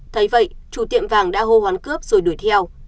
thấy vậy chủ tiệm vàng đã hô hoán cướp rồi đuổi theo